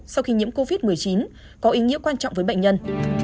sau khi nhiễm covid một mươi chín có ý nghĩa quan trọng với bệnh nhân